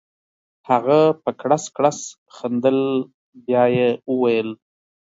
هغه په کړس کړس خندل بیا یې وویل.